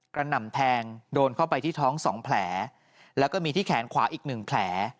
หน่ำแทงโดนเข้าไปที่ท้อง๒แผลแล้วก็มีที่แขนขวาอีกหนึ่งแผล